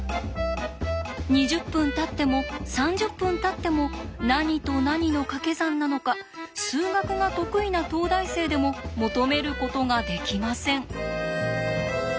２０分たっても３０分たっても何と何のかけ算なのか数学が得意な東大生でも求めることができません。